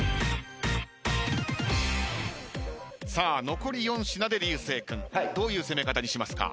残り４品で流星君どういう攻め方にしますか？